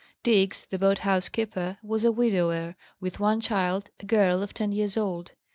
Diggs, the boat house keeper, was a widower, with one child, a girl of ten years old.